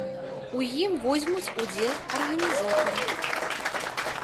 У ім возьмуць удзел арганізатары.